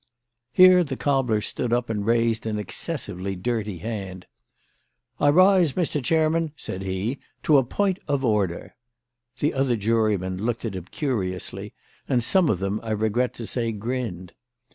Here the cobbler stood up and raised an excessively dirty hand. "I rise, Mr. Chairman," said he, "to a point of order." The other jurymen looked at him curiously and some of them, I regret to say, grinned.